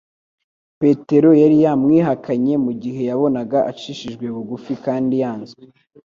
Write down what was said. Petero yari yaramwihakanye mu gihe yabonaga acishijwe bugufi kandi yanzwe.